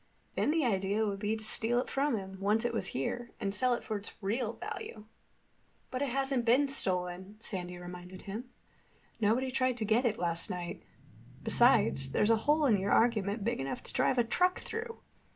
Then the idea would be to steal it from him, once it was here, and sell it for its real value." "But it hasn't been stolen," Sandy reminded him. "Nobody tried to get it last night. Besides, there's a hole in your argument big enough to drive a truck through.